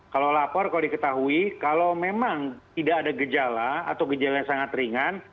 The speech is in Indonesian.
kalau lapor kalau diketahui kalau memang tidak ada gejala atau gejala yang sangat ringan